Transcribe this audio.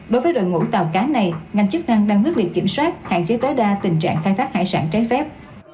đối với đội ngũ tàu cá này ngành chức năng đang quyết liệt kiểm soát hạn chế tối đa tình trạng khai thác hải sản trái phép